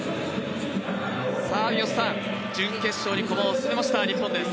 準決勝に駒を進めました日本です。